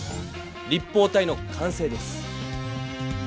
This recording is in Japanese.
立方体の完成です。